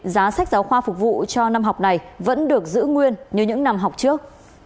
giá sách giáo khoa phục vụ cho năm học này vẫn được giữ nguyên như những năm học trước